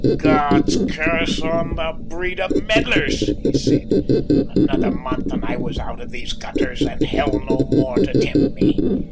"God's curse on the breed of meddlers!" he said. "Another month and I was out of these gutters and hell no more to tempt me.